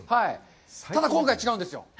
ただ、今回、違うんですよ。